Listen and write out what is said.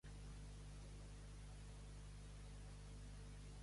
Deixar-ho caure en la conversació.